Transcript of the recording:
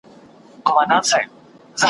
زه لکه سیوری ځمه `